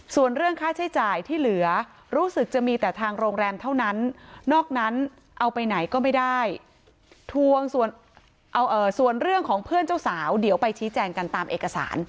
ส่วนเรื่องค่าใช้จ่ายที่เหลือรู้สึกจะมีแต่ทางโรงแรมเท่านั้นนอกนั้นเอาไปไหนก็ไม่ได้ทวงส่วนเรื่องของเพื่อนเจ้าสาวเดี๋ยวไปชี้แจงกันตามเอกสาร